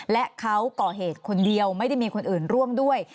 และเขาก่อเหตุคนเดียวไม่ได้มีคนอื่นร่วมด้วย